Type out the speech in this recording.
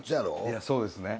いやそうですね。